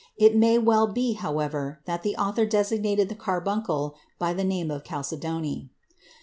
It may well be, however, that the author designated the carbuncle by the name chalcedony.